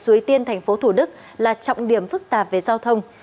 suối tiên thành phố thủ đức là trọng điểm phức tạp về giao thông